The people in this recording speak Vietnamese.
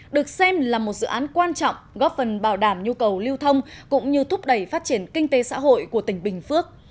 được xem là một dự án quan trọng góp phần bảo đảm nhu cầu lưu thông cũng như thúc đẩy phát triển kinh tế xã hội của tỉnh bình phước